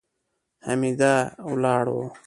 حميد ولاړ و.